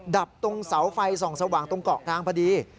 ดับตรงเสาไฟส่องสว่างตรงเกาะกลางพอดี